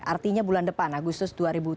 artinya bulan depan agustus dua ribu tujuh belas